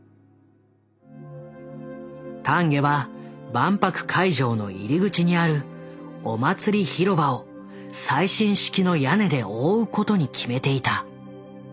丹下は万博会場の入り口にあるお祭り広場を最新式の屋根で覆うことに決めていた。